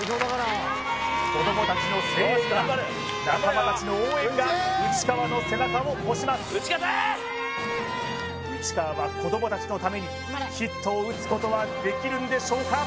子供達の声援が仲間達の応援が内川の背中を押します内川は子供達のためにヒットを打つことはできるんでしょうか？